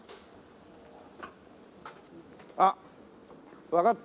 あっわかった。